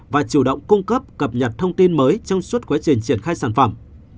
và chủ động cung cấp cập nhật thông tin mới trong suốt quá trình triển khai sản phẩm